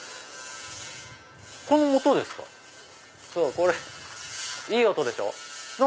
これいい音でしょ。